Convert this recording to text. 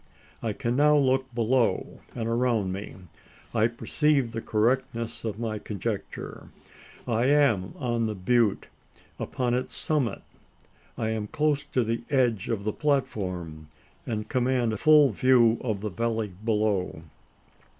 I can now look below, and around me. I perceive the correctness of my conjecture. I am on the butte upon its summit. I am close to the edge of the platform, and command a full view of the valley below.